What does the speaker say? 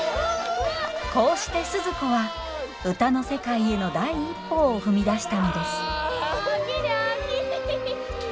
こうして鈴子は歌の世界への第一歩を踏み出したのですおおきにおおきに。